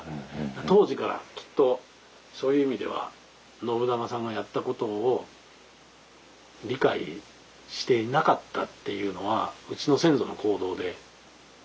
当時からきっとそういう意味では信長さんがやったことを理解していなかったっていうのはうちの先祖の行動で分かりますよね。